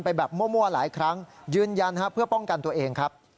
แบบมั่วหลายครั้งยืนยันเพื่อป้องกันตัวเองครับ